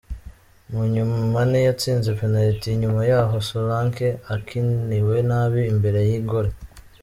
Mu nyuma Mane yatsinze penalite inyuma y'aho Solanke akiniwe nabi imbere y'igoli.